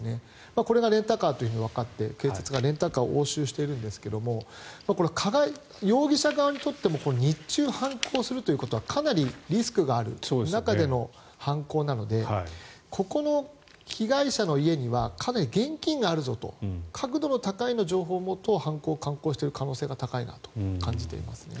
これがレンタカーとわかって警察がレンタカーを押収しているんですが容疑者側にとっても日中、犯行するということはかなりリスクがある中での犯行なのでここの被害者の家にはかなり現金があるぞと確度の高い情報をもとに犯行を敢行している可能性が高いなと思いますね。